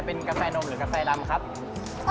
เป็นกาแฟนมหรือกาแฟลำ่เพราะว่าสำหรับเรา